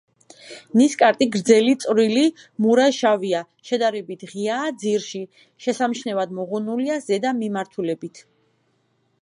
ნისკარტი გრძელი, წვრილი, მურა-შავია, შედარებით ღიაა ძირში; შესამჩნევად მოღუნულია ზედა მიმართულებით.